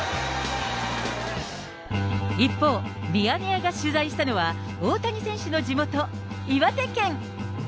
一方、ミヤネ屋が取材したのは、大谷選手の地元、岩手県。